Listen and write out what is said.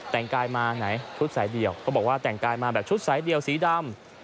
แต่งกายมาไหนชุดสายเดียวเขาบอกว่าแต่งกายมาแบบชุดสายเดี่ยวสีดำ